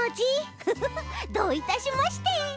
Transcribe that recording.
フフフどういたしまして。